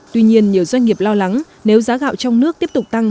tuy nhiên nhiều doanh nghiệp lo lắng nếu giá gạo trong nước tiếp tục tăng